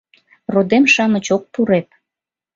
Родем-шамыч ок пуреп.